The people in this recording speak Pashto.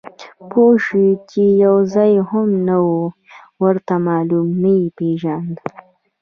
پوه شوم چې یو ځای هم نه و ورته معلوم، نه یې پېژانده.